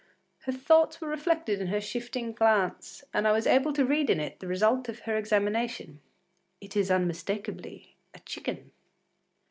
Her thoughts were reflected in her shifting glance, and I was able to read in it the result of her examination: “It is unmistakably a chicken.